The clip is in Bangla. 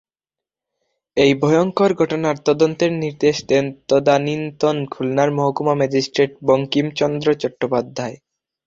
এই ভয়ংকর ঘটনার তদন্তের নির্দেশ দেন তদানীন্তন খুলনার মহকুমা ম্যাজিস্ট্রেট বঙ্কিমচন্দ্র চট্টোপাধ্যায়।